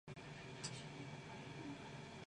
This has been interpreted in a number of ways.